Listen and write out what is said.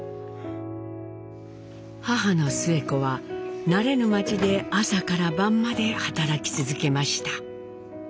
母のスエ子は慣れぬ町で朝から晩まで働き続けました。